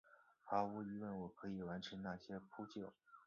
毫无疑问我可以完成那些扑救！